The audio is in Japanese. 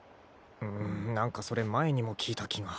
うん何かそれ前にも聞いた気が。